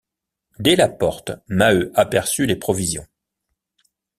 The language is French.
Dès la porte, Maheu aperçut les provisions.